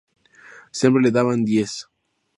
Siempre le daban diez.